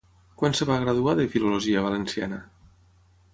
Quan es va graduar de Filologia Valenciana?